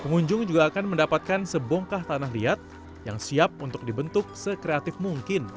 pengunjung juga akan mendapatkan sebongkah tanah liat yang siap untuk dibentuk sekreatif mungkin